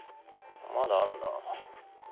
まだあんな。